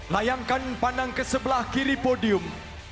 layangkan pandang ke sebelah kiri podium